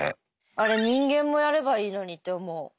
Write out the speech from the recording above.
あれ人間もやればいいのにって思う。